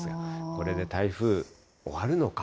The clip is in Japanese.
これで台風終わるのか？